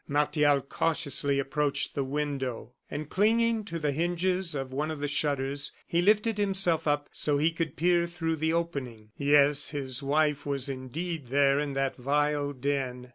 Martial cautiously approached the window, and clinging to the hinges of one of the shutters, he lifted himself up so he could peer through the opening. Yes, his wife was indeed there in that vile den.